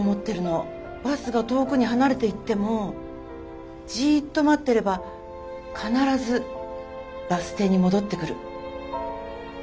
バスが遠くに離れていってもじっと待ってれば必ずバス停に戻ってくる。